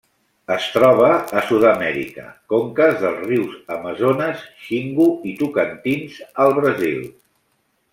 Es troba a Sud-amèrica: conques dels rius Amazones, Xingu i Tocantins al Brasil.